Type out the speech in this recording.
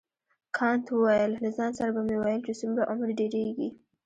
کانت وویل له ځان سره به مې ویل چې څومره عمر ډیریږي.